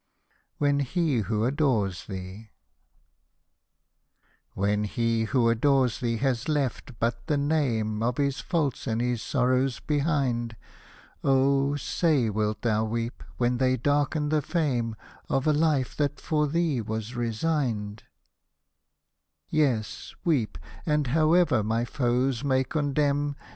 WHEN HE WHO ADORES THEE When he who adores thee has left but the name Of his faults and his sorrows behind, Oh ! say wilt thou weep, when they darken the fame Of a life that for thee was resigned ? Hosted by Google 8 IRISH MELODIES Yes, weep, and however my foes may condemn.